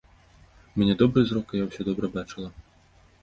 У мяне добры зрок, і я ўсё добра бачыла.